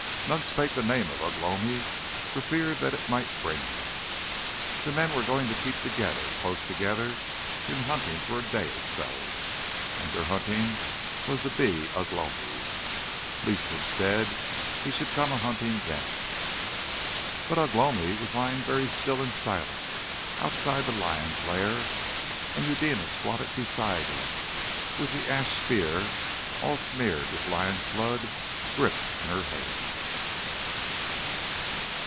None spake the name of Ugh lomi for fear that it might bring him. The men were going to keep together, close together, in the hunting for a day or so. And their hunting was to be Ugh lomi, lest instead he should come a hunting them. But Ugh lomi was lying very still and silent, outside the lion's lair, and Eudena squatted beside him, with the ash spear, all smeared with lion's blood, gripped in her hand.